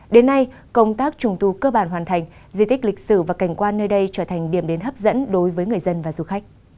đến nay công tác trùng tu cơ bản hoàn thành di tích lịch sử và cảnh quan nơi đây trở thành điểm đến hấp dẫn đối với người dân và du khách